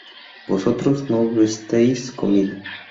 ¿vosotros no hubisteis comido?